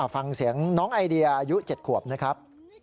ฟังเสียงน้องไอเดียอายุ๗ขวบนะครับ